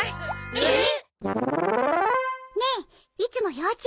えっ！